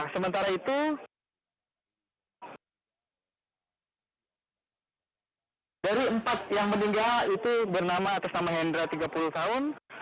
sementara itu dari empat yang meninggal itu bernama atas nama hendra tiga puluh tahun